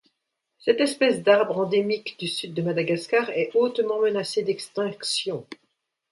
Cette espèce d'arbres, endémique du sud de Madagascar, est hautement menacée d'extinction.